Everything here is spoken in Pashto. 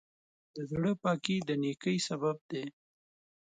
د زړۀ پاکي د نیکۍ سبب دی.